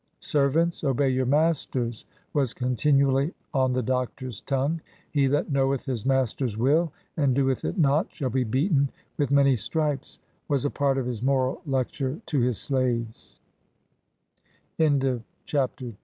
" Servants, obey your masters," was continually on the Doctor's tongue. " He that knoweth his master's will, and doeth it not, shall be beaten with many stripes," was a part of his moral lecture to his sl